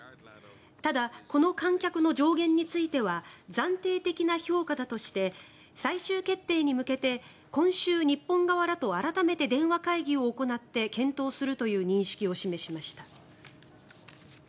ただ、この観客の上限については暫定的な評価だとして最終決定に向けて今週、日本側らと改めて電話会議を行って検討するという認識を示しました。